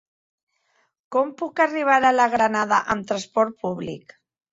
Com puc arribar a la Granada amb trasport públic?